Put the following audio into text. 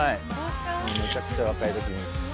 めちゃくちゃ若い時。